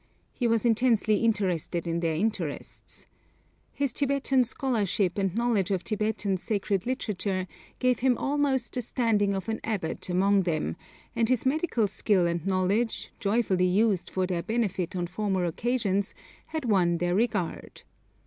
He was intensely interested in their interests. His Tibetan scholarship and knowledge of Tibetan sacred literature gave him almost the standing of an abbot among them, and his medical skill and knowledge, joyfully used for their benefit on former occasions, had won their regard.